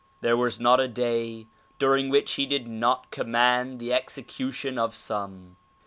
There was not a day during which he did not command the execution of some.